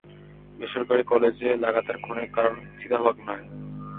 বেসরকারি কলেজে লাগাতার খুনের কারণ চিতাবাঘ নয়।